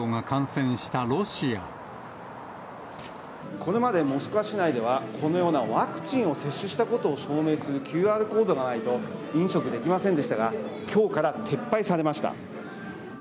これまでモスクワ市内では、このようなワクチンを接種したことを証明するＱＲコードがないと、飲食できませんでしたが、きょうから撤廃されました。